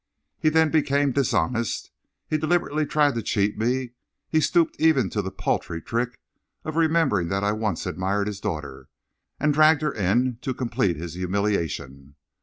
He then became dishonest. He deliberately tried to cheat me; he stooped even to the paltry trick of remembering that I once admired his daughter, and dragged her in to complete his humiliation.